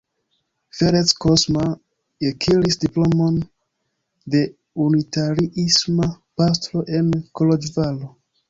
Ferenc Kozma akiris diplomon de unitariisma pastro en Koloĵvaro.